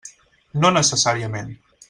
No necessàriament.